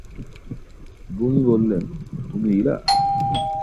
বুধ বললেন, 'তুমি ইলা।